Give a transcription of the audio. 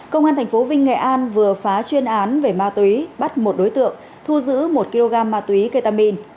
công an tp vinh nghệ an vừa phá chuyên án về ma túy bắt một đối tượng thu giữ một kg ma túy ketamin